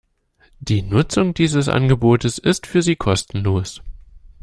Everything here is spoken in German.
Die Nutzung dieses Angebotes ist für Sie kostenlos.